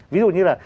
ví dụ như là